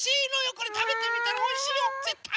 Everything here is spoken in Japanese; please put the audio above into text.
これたべてみたらおいしいよぜったい。